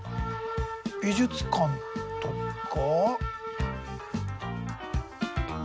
美術館とか？